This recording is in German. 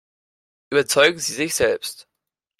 Überzeugen Sie sich selbst!